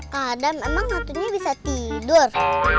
kadang emang ngaturnya bisa tidur